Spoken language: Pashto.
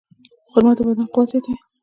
خرما د بدن قوت زیاتوي.